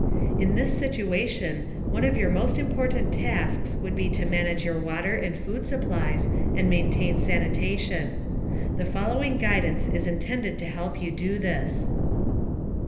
In this situation, one of your most important tasks would be to manage your water and food supplies, and maintain sanitation. The following guidance is intended to help you do this.